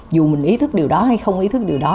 dù mình ý thức điều đó hay không ý thức điều đó